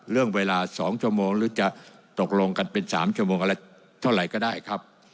เรื่องเวลา๒ชั่วโมงหรือจะตกลงกันเป็น๓ชั่วโมงอะไรเท่าไหร่ก็ได้ครับ